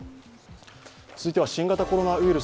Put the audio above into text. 続いては新型コロナウイルス。